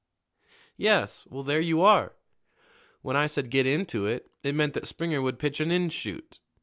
"Yes; well, there you are. When I said 'get into it,' it meant that Springer would pitch an in shoot.